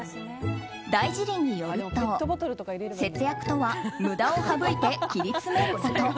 「大辞林」によると節約とは無駄を省いて切り詰めること。